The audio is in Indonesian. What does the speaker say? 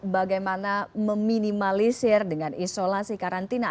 bagaimana meminimalisir dengan isolasi karantina